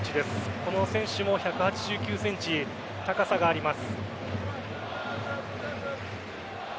この選手も１８９ｃｍ高さがあります。